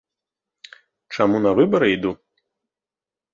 Чаму на выбары іду?